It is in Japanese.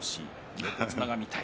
横綱が見たい。